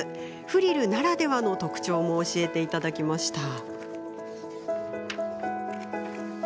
フリルならではの特徴も教えていただきました。